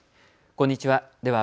こんにちは。